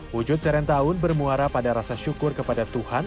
wujud serentahun bermuara pada rasa syukur kepada tuhan